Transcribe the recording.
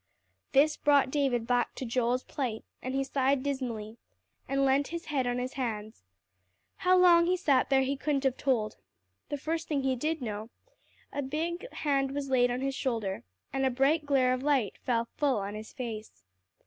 This brought David back to Joel's plight, and he sighed dismally, and leant his head on his hands. How long he sat there he couldn't have told. The first thing he did know, a big hand was laid on his shoulder, and a bright glare of light fell full on his face.